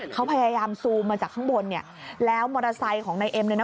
เขาพยายามซูมมาจากข้างบนแล้วมอเตอร์ไซต์ของในเอมเนี่ย